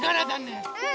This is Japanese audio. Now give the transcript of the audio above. うん！